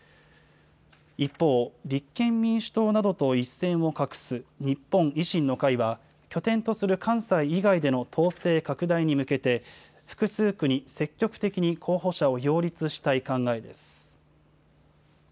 一方、立憲民主党などと一線を画す日本維新の会は、拠点とする関西以外での党勢拡大に向けて、複数区に積極的に候補者を擁立したい考えです。